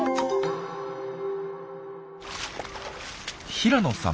平野さん